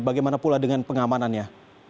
bagaimana pula dengan pengamanannya